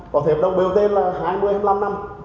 có thể hợp đồng bot là hai mươi hai mươi năm năm